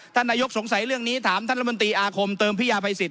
ท่านนายกสงสัยเรื่องนี้ถามท่านรัฐมนตรีอาคมเติมพิยาภัยสิท